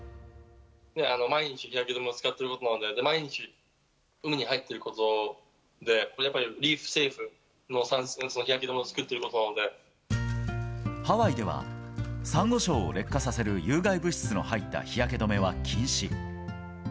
毎日、日焼け止めを使っているので、毎日、海に入ってることで、やっぱりリーフセーフのサンスクリーン、日焼け止めを使っているハワイでは、さんご礁を劣化させる有害物質の入った日焼け止めは禁止。